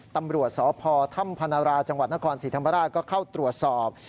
ตำรวจสพถ้ำพนราจังหวัดนครศรีธรรมราชก็เข้าตรวจสอบ